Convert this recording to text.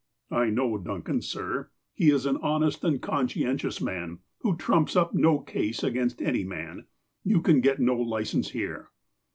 "I know Duncan, sir. He is an honest and conscien tious man, who trumps up no case against any man. You can get no license here."